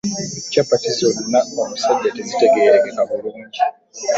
Kyapati zonno omusajja tezitegerekeka bulungi.